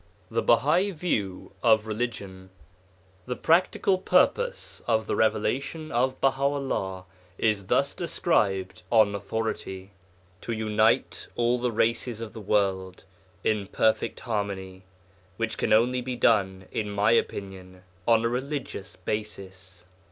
THE BAHAI VIEW OF RELIGION The practical purpose of the Revelation of Baha 'ullah is thus described on authority: To unite all the races of the world in perfect harmony, which can only be done, in my opinion, on a religious basis.